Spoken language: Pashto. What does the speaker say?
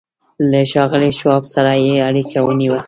له ښاغلي شواب سره یې اړیکه ونیوه